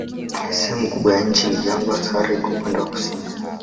Sehemu kubwa ya nchi ni jangwa, Sahara iko upande wa kusini.